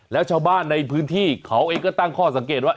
แล้วชาวบ้านในพื้นที่เขาเองก็ตั้งข้อสังเกตว่า